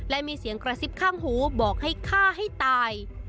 และมีเสียงกระซิบข้างหูบอกให้ฆ่าให้ตาย